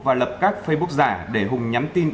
và lập các facebook giả để hùng nhắn tin